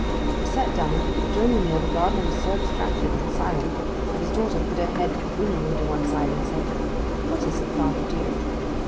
They sat down, but during the meal the gardener was so abstracted and silent that his daughter put her head winningly to one side and said, 'What is it, father dear?